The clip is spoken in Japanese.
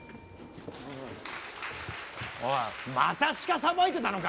おいまた鹿さばいてたのかよ！